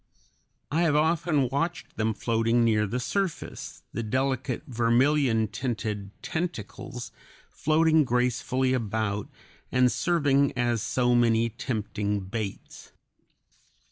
I have often watched them floating near the surface, the delicate vermilion tinted tentacles floating gracefully about, and serving as so many tempting baits.